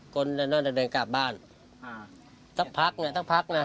คนเดินกลับบ้านอ่าสักพักไงสักพักน่ะอ่า